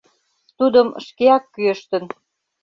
Тудым шкеак кӱэштын.